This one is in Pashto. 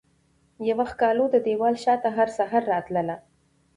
یوه ښکالو ددیوال شاته هرسحر راتلله